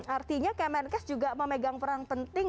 artinya kemenkes juga memegang peran penting